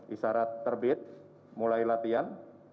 isarat terbed mulai latihan